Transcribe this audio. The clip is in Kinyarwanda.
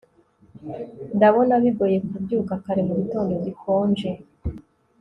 Ndabona bigoye kubyuka kare mugitondo gikonje